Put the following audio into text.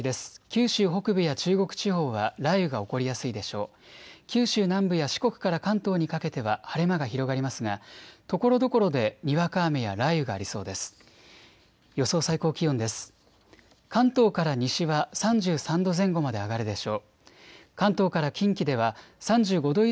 九州南部や四国から関東にかけては晴れ間が広がりますがところどころでにわか雨や雷雨がありそうです。